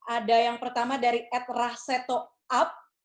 ada yang pertama dari atrahsetoab